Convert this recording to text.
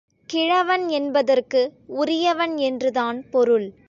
கிழவன் என்பதற்கு உரியவன் என்றுதான் பொருள்.